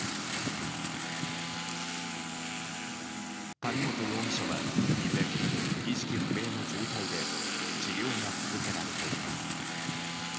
谷本容疑者は依然意識不明の重体で治療が続けられています。